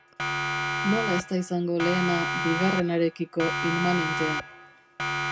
Nola ez da izango lehena bigarrenarekiko inmanentea?